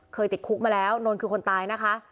ติดคุกมาแล้วนนท์คือคนตายนะคะ